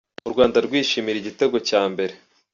U Rwanda rwishimira igitego cya mbere